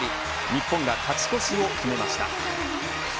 日本が勝ち越しを決めました。